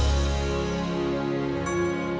sampai jumpa lagi